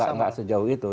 ya tidak sejauh itu